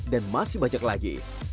dan masih banyak lagi